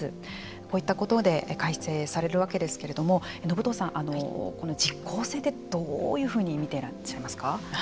こういったことで改正されるわけですけれども信藤さん、この実効性ってどういうふうに見ていらっしゃいますか。